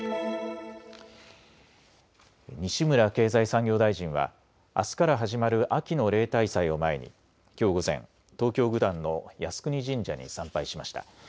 西村経済産業大臣はあすから始まる秋の例大祭を前にきょう午前、東京九段の靖国神社に参拝しました。